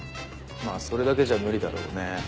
まぁそれだけじゃ無理だろうね。